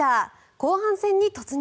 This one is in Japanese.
後半戦に突入！